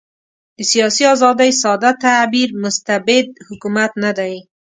د سیاسي آزادۍ ساده تعبیر مستبد حکومت نه دی.